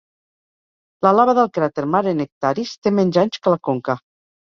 La lava del cràter Mare Nectaris té menys anys que la conca.